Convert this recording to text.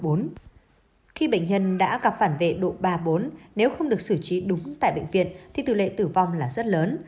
độ năm khi bệnh nhân đã gặp phản vệ độ ba bốn nếu không được xử trí đúng tại bệnh viện thì tư lệ tử vong là rất lớn